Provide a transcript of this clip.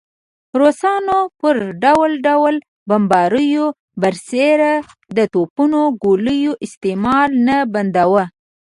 روسانو پر ډول ډول بمباریو برسېره د توپونو ګولیو استعمال نه بنداوه.